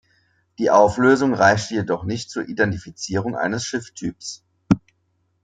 Die Auflösung reichte jedoch nicht zur Identifizierung eines Schiffstyps.